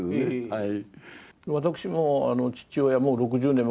はい。